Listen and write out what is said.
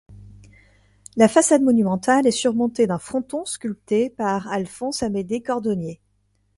La façade monumentale est surmontée d'un fronton sculpté par Alphonse-Amédée Cordonnier.